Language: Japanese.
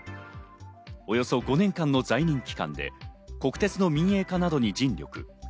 およそ５年間の在任期間で国鉄の民営化などに尽力。